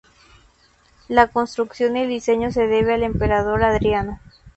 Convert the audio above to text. La construcción y el diseño se deben al emperador Adriano.